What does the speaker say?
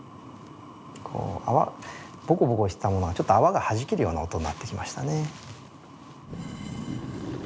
ボコボコしてたものがちょっと泡が弾けるような音になってきましたね。